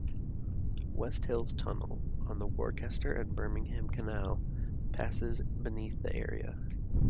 Wast Hills Tunnel, on the Worcester and Birmingham Canal, passes beneath the area.